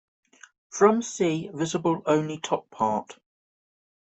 From sea visible only top part.